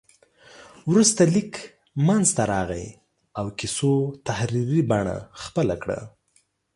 وروسته لیک منځته راغی او کیسو تحریري بڼه خپله کړه.